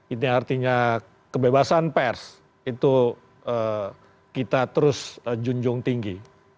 ini artinya kebebasan pers itu kita terus junjung tinggi